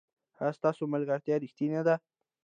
ایا ستاسو ملګرتیا ریښتینې ده؟